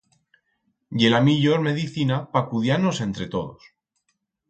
Ye la millor medicina pa cudiar-nos entre todos.